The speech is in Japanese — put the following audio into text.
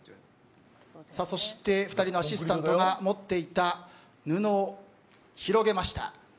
そして２人のアシスタントが持っていた布を広げました。